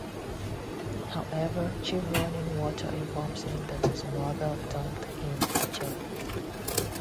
However, Chief Running Water informs him that his mother dumped him for Chef.